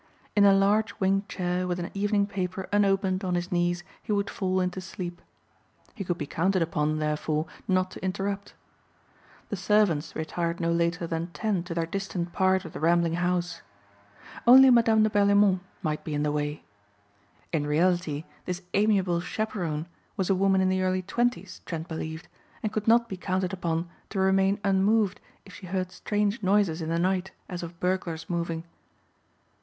In a large wing chair with an evening paper unopened on his knees he would fall into sleep. He could be counted upon therefore not to interrupt. The servants retired no later than ten to their distant part of the rambling house. Only Madame de Berlaymont might be in the way. In reality this amiable chaperone was a woman in the early twenties Trent believed and could not be counted upon to remain unmoved if she heard strange noises in the night as of burglars moving.